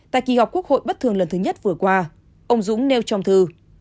tại kỳ họp quốc hội bất thường lần thứ nhất vừa qua ông dũng nêu trong thư